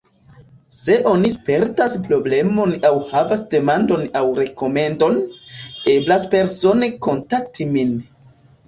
Se oni spertas problemon aŭ havas demandon aŭ rekomendon, eblas persone kontakti min.